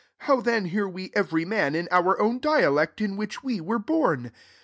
8 How then hear we every man in our own dialect, in which we were born